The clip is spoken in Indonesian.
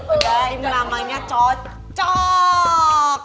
udah ini namanya cocok